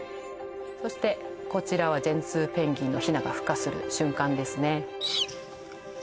そしてこちらはジェンツーペンギンのヒナがふ化する瞬間ですね